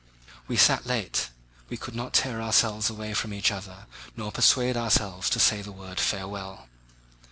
We sat late. We could not tear ourselves away from each other nor persuade ourselves to say the word "Farewell!"